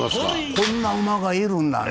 こんな馬がいるんだね。